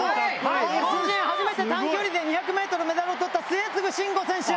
日本人初めて短距離で２００ｍメダルを取った末續慎吾選手。